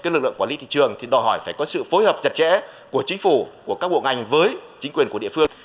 lực lượng quản lý thị trường thì đòi hỏi phải có sự phối hợp chặt chẽ của chính phủ của các bộ ngành với chính quyền của địa phương